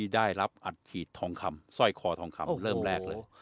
ได้รับอัดขีดทองคำสร้อยคอทองคำเริ่มแรกเลย